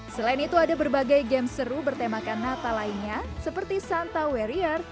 selain itu ada berbagai game seru bertemakan natal lainnya seperti santa warrior